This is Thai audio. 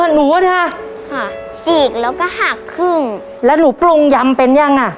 หนูอะนะคะค่ะฉีกแล้วก็หักครึ่งแล้วหนูปรุงยำเป็นยังอ่ะ